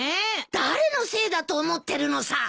誰のせいだと思ってるのさ！